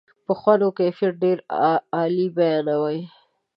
په خوند و کیفیت ډېره عالي بیانوي.